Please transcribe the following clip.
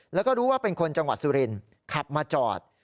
แล้วก็รู้ว่าเป็นคนจังหวัดสุรินขับมาจอด